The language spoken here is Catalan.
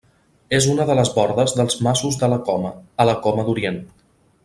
És una de les bordes dels Masos de la Coma, a la Coma d'Orient.